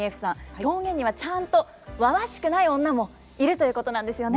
狂言にはちゃんとわわしくない女もいるということなんですよね。